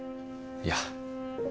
いや。